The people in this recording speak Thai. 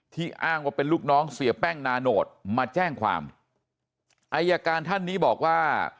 อ้างว่าเป็นลูกน้องเสียแป้งนาโนตมาแจ้งความอายการท่านนี้บอกว่า